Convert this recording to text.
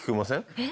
えっ？